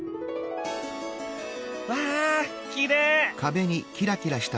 わあきれい！